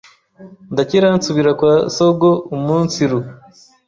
Ndakira nsubira kwa sogoumunsiru